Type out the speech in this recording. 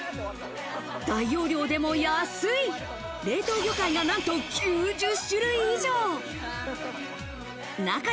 大容量でも安い、冷凍魚介がなんと９０種類以上。